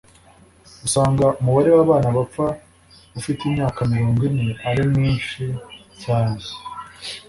usanga umubare w'abana bapfa ufite imyaka miringo ine ari mwinshi cyane